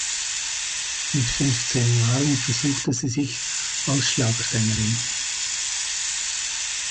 Mit fünfzehn Jahren versuchte sie sich als Schlagersängerin.